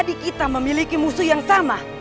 jadi kita memiliki musuh yang sama